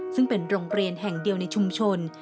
ซึ่งเป็นโรงเรียนแห่งเดียวในชุมชน